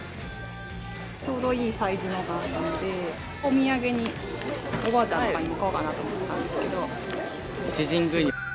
ちょうどいいサイズのがあったのでお土産におばあちゃんとかにも買おうかなと思ってたんですけど。